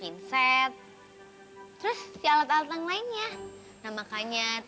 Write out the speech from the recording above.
yuk deh sekarang kita balik aja yuk